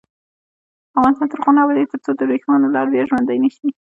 افغانستان تر هغو نه ابادیږي، ترڅو د وریښمو لار بیا ژوندۍ نشي.